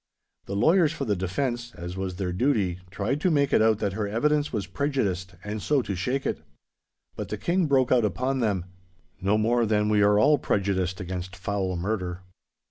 The lawyers for the defence, as was their duty, tried to make it out that her evidence was prejudiced, and so to shake it. But the King broke out upon them, 'No more than we are all prejudiced against foul murder!